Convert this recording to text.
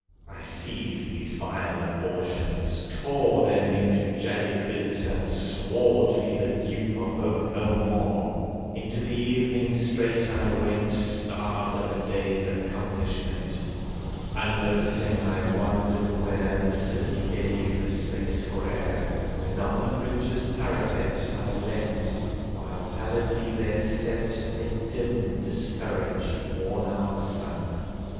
I seized these vile abortions, tore Them into jagged bits, and swore To be the dupe of hope no more. Into the evening straight I went, Starved of a day's accomplishment. Unnoticing, I wandered where The city gave a space for air, And on the bridge's parapet I leant, while pallidly there set A dim, discouraged, worn out sun.